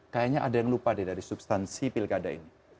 kayaknya ada yang lupa deh dari substansi pilkada ini